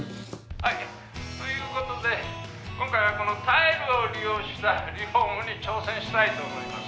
「はいという事で今回はこのタイルを利用したリフォームに挑戦したいと思います。